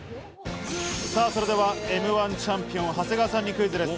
それではＭ−１チャンピオン・長谷川さんにクイズです。